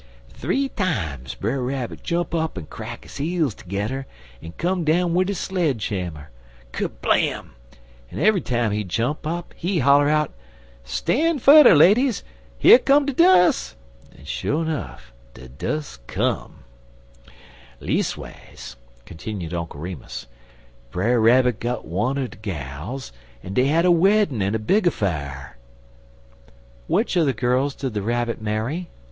Th'ee times Brer Rabbit jump up en crack his heels tergedder en come down wid de sludge hammer ker blam! en eve'y time he jump up, he holler out: "'Stan' fudder, ladies! Yer come de dus'!' en sho nuff, de dus' come. "Leas'ways," continued Uncle Remus, "Brer Rabbit got one er de gals, en dey had a weddin' en a big infa'r." "Which of the girls did the Rabbit marry?"